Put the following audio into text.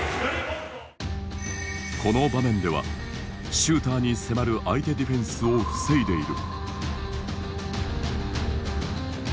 この場面ではシューターに迫る相手ディフェンスを防いでいる。